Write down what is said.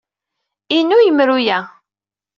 Inu yemru-a.